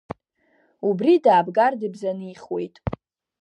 Убри даабгар дыбзанихуеит!